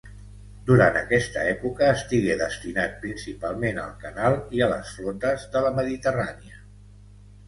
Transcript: Durant aquesta època estigué destinat principalment al Canal i a les Flotes de la Mediterrània.